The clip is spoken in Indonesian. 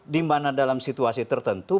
dimana dalam situasi tertentu